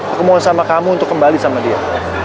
aku mau sama kamu untuk kembali sama dia